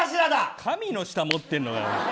神の舌持ってんのかよ。